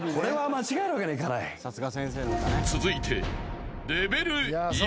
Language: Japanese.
［続いて］